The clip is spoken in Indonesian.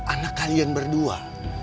anak kalian berdua